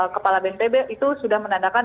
kepala bnpb itu sudah menandakan